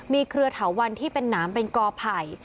มีเครือเทาวันที่เป็นน้ำเป็นก่อไผ่